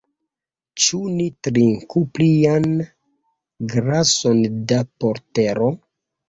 Ĉu ni trinku plian glason da portero?